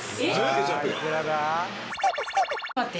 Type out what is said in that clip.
待って。